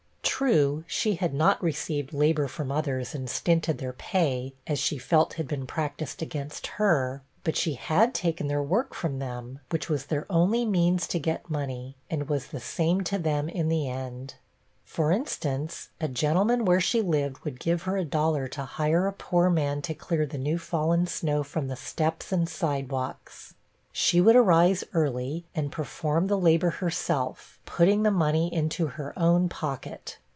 True, she had not received labor from others, and stinted their pay, as she felt had been practised against her; but she had taken their work from them, which was their only means to get money, and was the same to them in the end. For instance a gentleman where she lived would give her a dollar to hire a poor man to clear the new fallen snow from the steps and side walks. She would arise early, and perform the labor herself, putting the money into her own pocket.